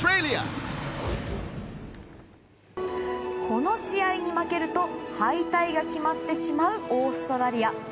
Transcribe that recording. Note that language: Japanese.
この試合に負けると敗退が決まってしまうオーストラリア。